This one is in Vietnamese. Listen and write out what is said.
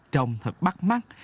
trông thật bắt mắt